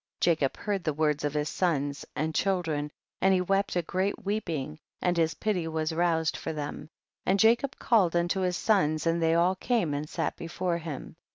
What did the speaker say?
9. Jacob heard the words of his sons' and children, and he wept a great weeping, and his pity was roused for them, and Jacob called unto' his sons and they all came and sat before him